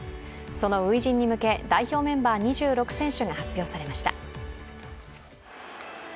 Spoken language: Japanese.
その初陣に向け代表メンバー２６選手が発表されました。